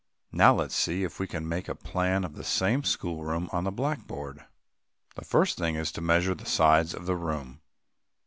Now let us see if we can make a plan of the same schoolroom on the blackboard. The first thing is to measure the sides of the room.